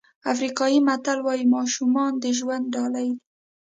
افریقایي متل وایي ماشومان د ژوند ډالۍ دي.